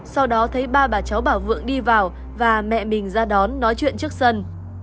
sau đó thấy ba bà cháu bảo vượng đi vào và mẹ mình ra đón nói chuyện trước sân